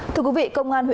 công an huyện hương tàu